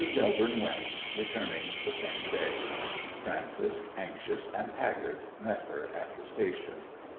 Millborne went, returning the same day. Frances, anxious and haggard, met her at the station.